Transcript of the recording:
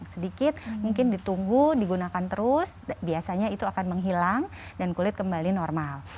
sedikit mungkin ditunggu digunakan terus biasanya itu akan menghilang dan kulit kembali normal